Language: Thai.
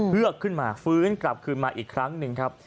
เพื่อขึ้นมาฟื้นกลับคืนมาอีกครั้งหนึ่งครับ